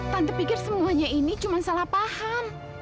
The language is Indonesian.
tanpa pikir semuanya ini cuma salah paham